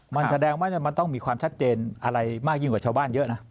มันแสดงว่ามันต้องมีความชัดเจนอะไรมากยิ่งกว่าชาวบ้านเยอะนะ